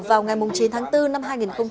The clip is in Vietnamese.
vào ngày chín tháng bốn năm hai nghìn một mươi chín